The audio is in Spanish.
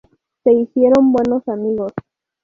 Se hicieron buenos amigos.